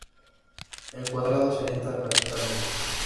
El cuadrado se orienta verticalmente.